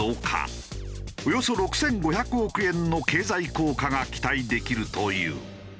およそ６５００億円の経済効果が期待できるという。